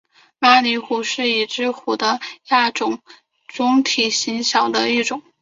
巴厘虎是已知虎的亚种中体型最小的一种。